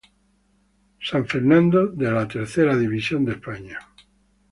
San Fernando de la Tercera División de España.